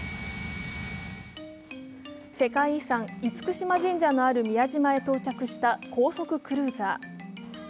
世界遺産・厳島神社のある宮島へ到着した高速クルーザー。